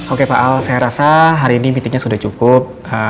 oke pak al saya rasa hari ini meetingnya sudah cukup